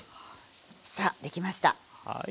さあ出来ました。